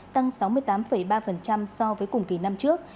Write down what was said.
tăng sáu mươi tám ba so với cùng kỳ năm trước